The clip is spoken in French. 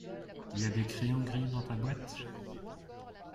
Il y a des crayons gris dans ta boîte ?